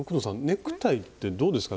ネクタイってどうですか？